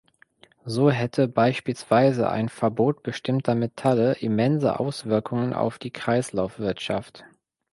So hätte beispielsweise ein Verbot bestimmter Metalle immense Auswirkungen auf die Kreislaufwirtschaft.